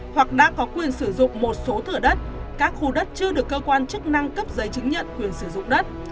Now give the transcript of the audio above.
hoặc đã có quyền sử dụng một số thửa đất các khu đất chưa được cơ quan chức năng cấp giấy chứng nhận quyền sử dụng đất